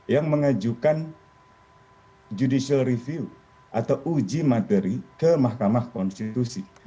yang mengajukan judicial review atau uji materi ke mahkamah konstitusi